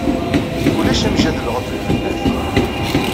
Ulac amjadel ɣef lbennat.